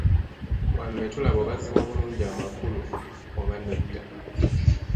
Wano ne tulaba oba ziwa bulungi amakulu oba nedda.